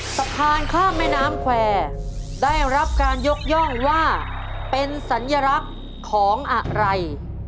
สะพานข้ามแม่น้ำแควร์ได้รับการยกย่องว่าเป็นสัญลักษณ์ของอะไร